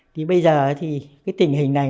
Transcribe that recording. thì bây giờ thì cái tình hình này